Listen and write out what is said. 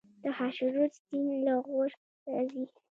د خاشرود سیند له غور راځي